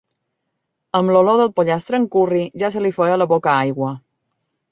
Amb l'olor del pollastre amb curri ja se li feia la boca aigua.